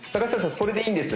それでいいんです